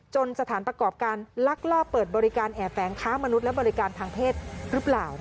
สถานประกอบการลักลอบเปิดบริการแอบแฝงค้ามนุษย์และบริการทางเพศหรือเปล่า